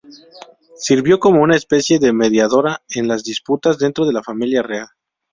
Sirvió como una especie de mediadora en las disputas dentro de la familia real.